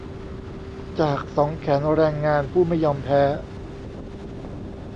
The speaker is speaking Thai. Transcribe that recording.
จากสองแขนแรงงานผู้ไม่ยอมแพ้